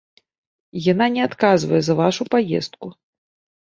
Яна не адказвае за вашу паездку.